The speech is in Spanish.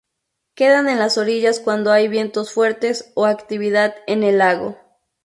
Quedan en las orillas cuando hay vientos fuertes o actividad en el lago.